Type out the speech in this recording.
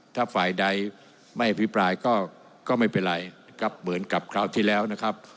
ถ้าฝ่ายใดไม่อภิปรายก็ไม่เป็นไรก็เหมือนกับคราวที่แล้วนะครับ